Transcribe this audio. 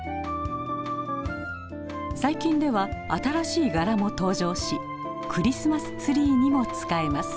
最近では新しい柄も登場しクリスマスツリーにも使えます。